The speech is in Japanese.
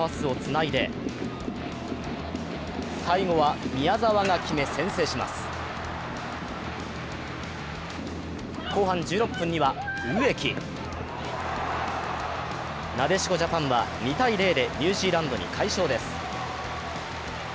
なでしこジャパンは２−０でニュージーランドに快勝です。